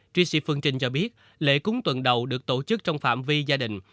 tracy phương trình cho biết lễ cúng tuần đầu được tổ chức trong phạm vi gia đình